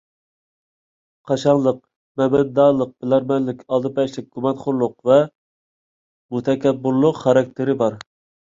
قاشاڭلىق، مەمەدانلىق، بىلەرمەنلىك، ئالدىپەشلىك، گۇمانخورلۇق ۋە مۇتەكەببۇرلۇق خاراكتېرى بار.